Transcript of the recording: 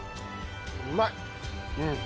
うまい！